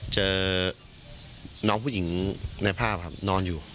เจอน้องผู้หญิงในภาพครับนอนอยู่